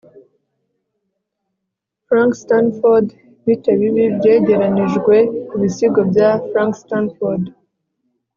Frank Stanford Bite Bibi Byegeranijwe Ibisigo bya Frank Stanford